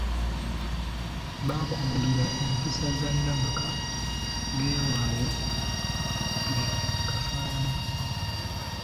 Bakubuulire empisa ze n'amaka ge waabwe bwe gafaanana.